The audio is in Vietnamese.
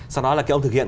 sau đó là ông thực hiện